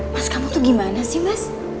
mas kamu tuh gimana sih mas